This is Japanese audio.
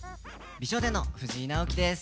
美少年の藤井直樹です。